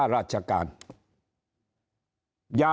ท่านต้องรู้จักลูกไม้ข้าราชการ